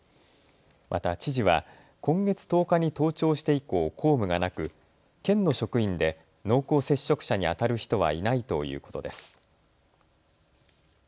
また知事は今月１０日に登庁して以降、公務がなく県の職員で濃厚接触者にあたる人はいないということです。